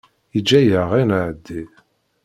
Yeǧǧa-aɣ ad nɛeddi.